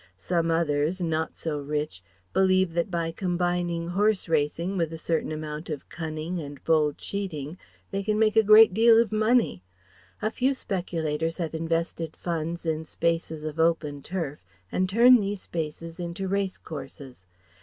Some others, not so rich, believe that by combining horse racing with a certain amount of cunning and bold cheating they can make a great deal of money. A few speculators have invested funds in spaces of open turf, and turn these spaces into race courses.